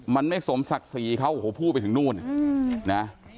มันไม่สมศักดิ์ศรีเขาโอ้โหพูดไปถึงนู่นนะ